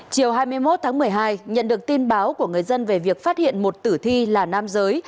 chiều hai mươi một tháng một mươi hai nhận được tin báo của người dân về việc phát hiện một tử thi là nam giới